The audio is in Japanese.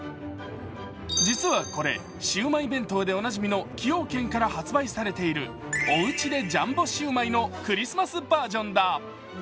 実はこれ、シウマイ弁当でおなじみの崎陽軒から発売されているおうちでジャンボシウマイのクリスマスバージョンだ。